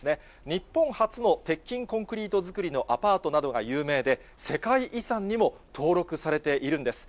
日本初の鉄筋コンクリート造りのアパートなどが有名で、世界遺産にも登録されているんです。